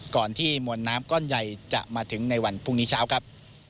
ที่มวลน้ำก้อนใหญ่จะมาถึงในวันพรุ่งนี้เช้าครับ